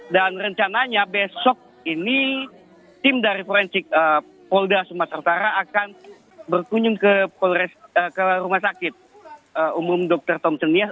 dan rencananya besok ini tim dari polres polda sumatera akan berkunjung ke rumah sakit umum dokter tom senias